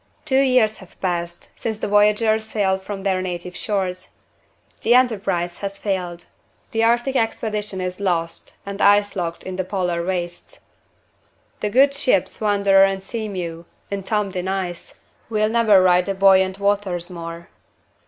Two years have passed since the voyagers sailed from their native shores. The enterprise has failed the Arctic expedition is lost and ice locked in the Polar wastes. The good ships Wanderer and Sea mew, entombed in ice, will never ride the buoyant waters more.